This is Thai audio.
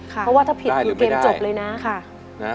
เพราะว่าถ้าผิดคือเกมจบเลยนะ